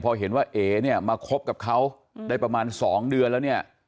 พอเห็นว่าเอ๋เนี่ยมาคบกับเขาได้ประมาณ๒เดือนแล้วเนี่ย